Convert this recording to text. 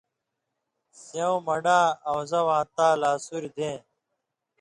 سېوں من٘ڈاں اؤن٘زہ واں تا لا سُوریۡ دېں،